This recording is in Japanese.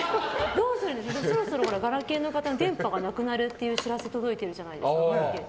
そろそろガラケーの方電波がなくなるって知らせが届いているじゃないですか。